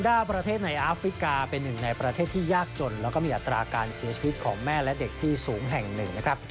ประเทศในอาฟริกาเป็นหนึ่งในประเทศที่ยากจนแล้วก็มีอัตราการเสียชีวิตของแม่และเด็กที่สูงแห่งหนึ่งนะครับ